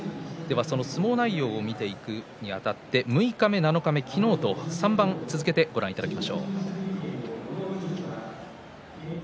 相撲内容を見ていくにあたって六日目、七日目、昨日と３番続けてご覧ください。